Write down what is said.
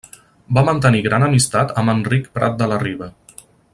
Va mantenir gran amistat amb Enric Prat de la Riba.